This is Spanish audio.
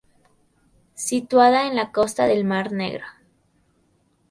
Situada en la costa del mar Negro.